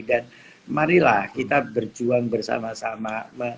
dan marilah kita berjuang bersama sama